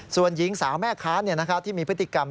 ส่วนหญิงสาวแม่ค้าที่มีพฤติกรรม